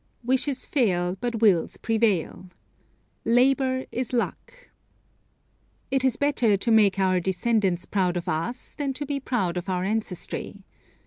"Wishes fail but wills prevail." "Labor is luck." It is better to make our descendants proud of us than to be proud of our ancestry.